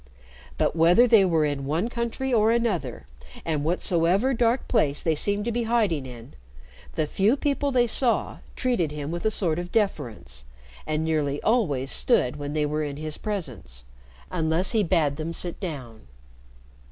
But whether they were in one country or another, and whatsoever dark place they seemed to be hiding in, the few people they saw treated him with a sort of deference, and nearly always stood when they were in his presence, unless he bade them sit down.